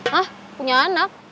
hah punya anak